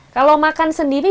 kalau makan sendiri